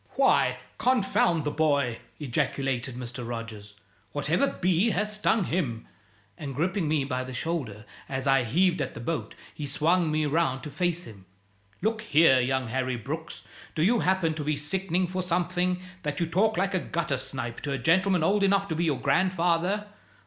"Why, confound the boy!" ejaculated Mr. Rogers. "What ever bee has stung him?" And gripping me by the shoulder as I heaved at the boat, he swung me round to face him. "Look here, young Harry Brooks! Do you happen to be sickening for something, that you talk like a gutter snipe to a gentleman old enough to be your grandfather?